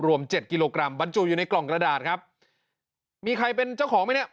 เจ็ดกิโลกรัมบรรจุอยู่ในกล่องกระดาษครับมีใครเป็นเจ้าของไหมเนี่ย